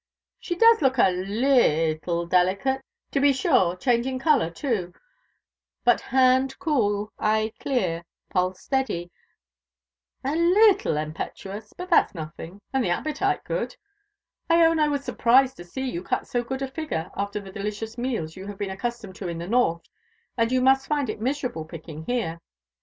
She does look a leettle delicate, to be sure changing colour, too but hand cool eye clear pulse steady, a leettle impetuous, but that's nothing, and the appetite good. I own I was surprised to see you cut so good a figure after the delicious meals you have been accustomed to in the North: you must find it miserable picking here.